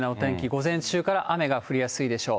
午前中から雨が降りやすいでしょう。